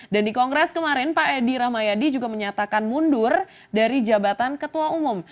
dan di kongres kemarin pak edi rahmayadi juga menyatakan mundur dari jabatan ketua umum